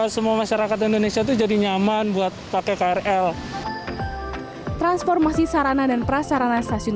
semua masyarakat indonesia itu jadi nyaman buat pakai krl transformasi sarana dan prasarana stasiun